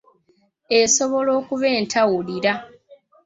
Esobola okuba entawulira.